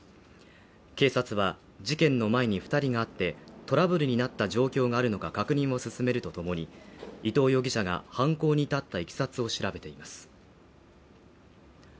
警察は事件の前に２人があってトラブルになった状況があるのか確認を進めるとともに、伊藤容疑者が犯行に至った経緯を調べています。